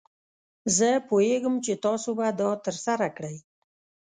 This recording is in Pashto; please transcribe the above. زه پوهیږم چې تاسو به دا ترسره کړئ.